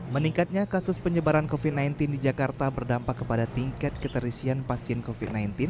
meningkatnya kasus penyebaran covid sembilan belas di jakarta berdampak kepada tingkat keterisian pasien covid sembilan belas